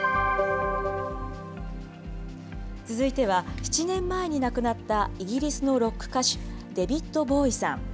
続いては、７年前に亡くなったイギリスのロック歌手、デビッド・ボウイさん。